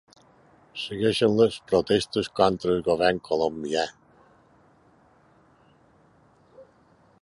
Segueixen les protestes contra el govern colombià